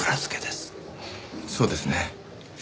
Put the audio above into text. そうですね。